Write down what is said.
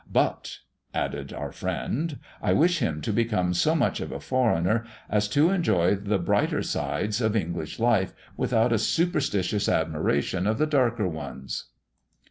But," added our friend, "I wish him to become so much of a foreigner as to enjoy the brighter sides of English life without a superstitious admiration of the darker ones."